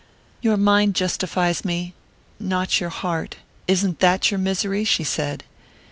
"Your mind justifies me not your heart; isn't that your misery?" she said.